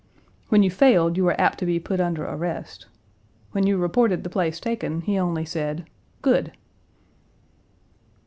When you failed you were apt to be put under arrest. When you reported the place taken, he only said, 'Good!'